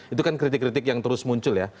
itu kan kritik kritik yang terus muncul ya